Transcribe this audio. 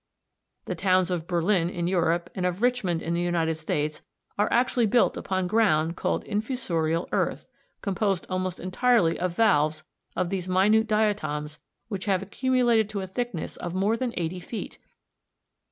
The towns of Berlin in Europe and of Richmond in the United States are actually built upon ground called "infusorial earth," composed almost entirely of valves of these minute diatoms which have accumulated to a thickness of more than eighty feet!